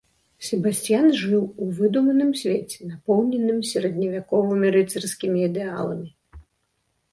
Себасцьян жыў у выдуманым свеце, напоўненым сярэдневяковымі рыцарскімі ідэаламі.